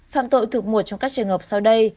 phạm tội thực một trong các trường hợp sau đây